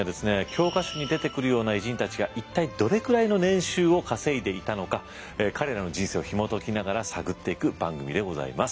教科書に出てくるような偉人たちが一体どれくらいの年収を稼いでいたのか彼らの人生をひも解きながら探っていく番組でございます。